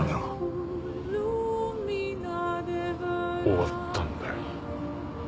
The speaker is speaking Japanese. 終わったんだよ。